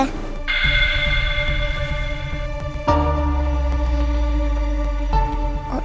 aku nggak mau tante